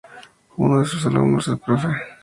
Uno de sus alumnos, el Prof.